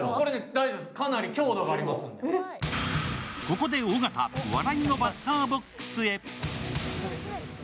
ここで尾形、笑いのバッターボックスへ。